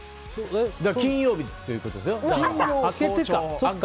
金曜日ということでしょ、朝。